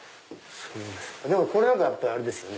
でもこれなんかあれですよね。